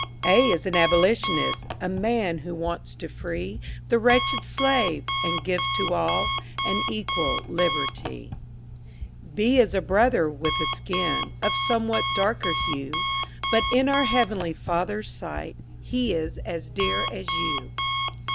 A is an Abolitionist— A man who wants to free The wretched slave—and give to all An equal liberty. B is a Brother with a skin Of somewhat darker hue, But in our Heavenly Father's sight, He is as dear as you.